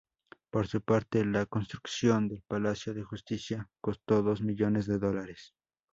Por su parte, la construcción del Palacio de Justicia costó dos millones de dólares.